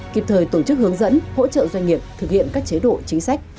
kịp thời tổ chức hướng dẫn hỗ trợ doanh nghiệp thực hiện các chế độ chính sách